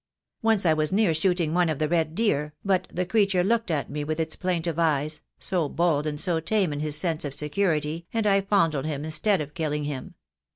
Once I was near shooting one of the red deer, but the creature looked at me with its plaintive eyes, so bold and so tame in his sense of security, and I fondled him instead of killing him.